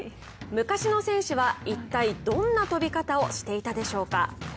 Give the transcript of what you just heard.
昔の選手は一体どんな飛び方をしていたでしょうか。